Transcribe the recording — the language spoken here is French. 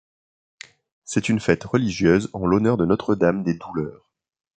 C'est une fête religieuse en l'honneur de Notre Dame des Douleurs.